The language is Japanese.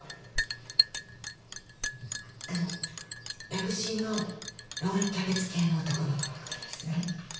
ラグシーのロールキャベツ系の男の子のことです。